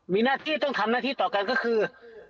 มีหน้าที่ต้องทำหน้าที่ต่อกันก็คือ